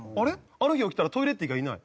ある日起きたらトイレッティがいない。